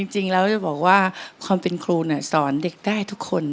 จริงแล้วจะบอกว่าความเป็นครูสอนเด็กได้ทุกคน